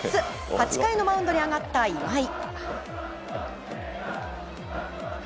８回のマウンドに上がった今井。